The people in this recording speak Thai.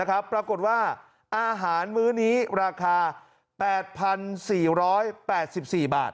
นะครับปรากฏว่าอาหารมื้อนี้ราคา๘๔๘๔บาท